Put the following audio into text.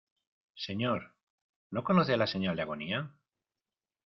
¿ señor, no conoce la señal de agonía?